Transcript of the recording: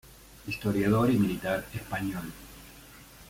Historiador y militar español.